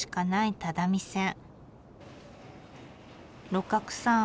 六角さん